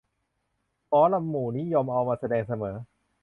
หมอลำหมู่นิยมเอามาแสดงเสมอ